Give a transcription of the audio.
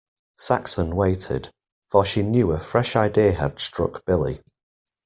Saxon waited, for she knew a fresh idea had struck Billy.